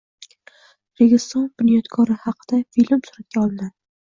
Registon bunyodkori haqida film suratga olinadi